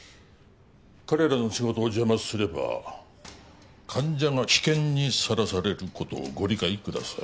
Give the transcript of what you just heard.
彼らの仕事を邪魔すれば患者が危険にさらされることをご理解ください